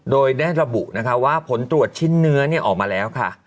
โดยได้ระบุนะคะว่าผลตรวจชิ้นเนื้อออกมาแล้วค่ะ